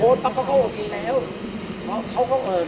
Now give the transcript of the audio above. พี่อัดมาสองวันไม่มีใครรู้หรอก